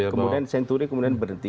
kemudian century kemudian berhenti